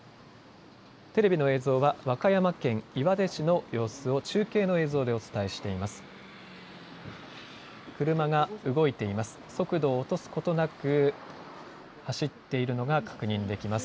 テレビの映像は和歌山県岩出市の様子を中継の映像でお伝えしています。